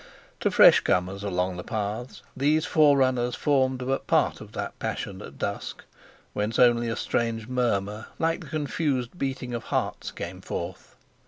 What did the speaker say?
To fresh comers along the paths, these forerunners formed but part of that passionate dusk, whence only a strange murmur, like the confused beating of hearts, came forth.